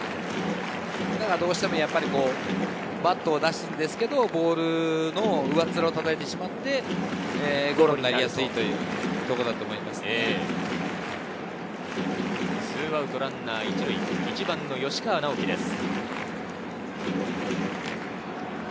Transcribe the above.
どうしてもバットを出すんですけど、ボールの上っ面をたたいてしまってゴロになりやすい２アウトランナー１塁、１番の吉川尚輝です。